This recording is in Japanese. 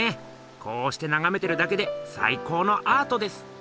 こうしてながめてるだけで最高のアートです！